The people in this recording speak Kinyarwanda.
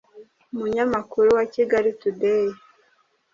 umunyamakuru wa kigali today